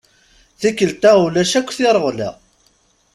Tikkelt-a ulac akk tireɣla.